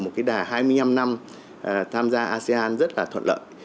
một cái đà hai mươi năm năm tham gia asean rất là thuận lợi